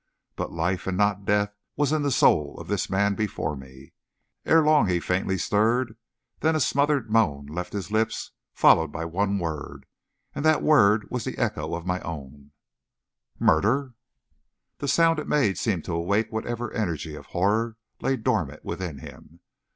But life, and not death, was in the soul of this man before me. Ere long he faintly stirred, then a smothered moan left his lips, followed by one word, and that word was the echo of my own: "Murder." The sound it made seemed to awake whatever energy of horror lay dormant within him.